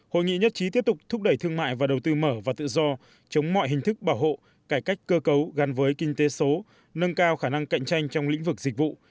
hội nghị nhất trí tiếp tục thúc đẩy thương mại và đầu tư mở và tự do chống mọi hình thức bảo hộ cải cách cơ cấu gắn với kinh tế số nâng cao khả năng cạnh tranh trong lĩnh vực dịch vụ